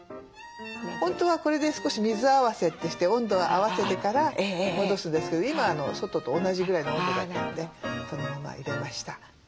本当はこれで少し水合わせってして温度を合わせてから戻すんですけど今外と同じぐらいの温度だったのでそのまま入れました。